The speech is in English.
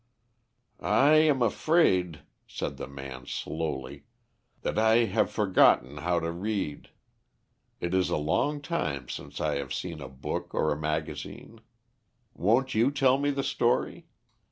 "I am afraid," said the man, slowly, "that I have forgotten how to read. It is a long time since I have seen a book or a magazine. Won't you tell me the story?